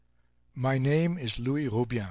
I. My name is Louis Roubien.